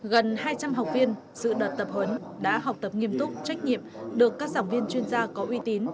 gần hai trăm linh học viên dự đợt tập huấn đã học tập nghiêm túc trách nhiệm được các giảng viên chuyên gia có uy tín